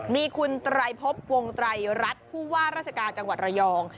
มีคุณไตรพบวงไตรรัฐผู้ว่าราชการจังหวัดระยอง